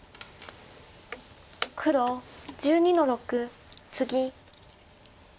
黒１２の六ツギ。